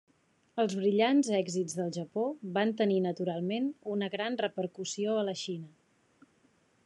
Els brillants èxits del Japó van tenir naturalment una gran repercussió a la Xina.